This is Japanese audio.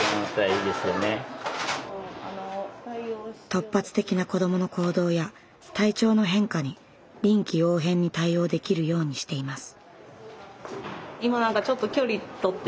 突発的な子どもの行動や体調の変化に臨機応変に対応できるようにしています。